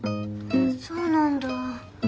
そうなんだ。